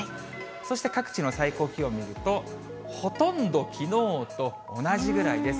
そして各地の最高気温見ると、ほとんどきのうと同じぐらいです。